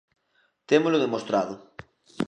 Témolo demostrado.